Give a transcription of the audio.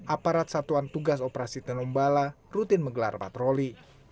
aparat satuan tugas operasi tenombala rutin menggelar patroli